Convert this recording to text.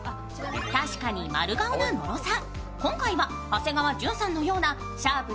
確かに丸顔な野呂さん。